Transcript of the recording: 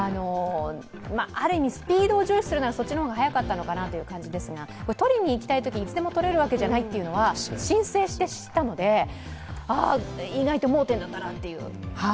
ある意味、スピードを重視するならそっちの方が早かったかなと思いましたが、取りにいきたいときにいつでも取れるわけじゃないというのは申請して知ったので、意外と盲点だったなという。